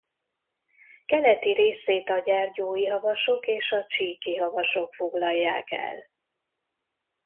Keleti részét a Gyergyói-havasok és a Csíki-havasok foglalják el.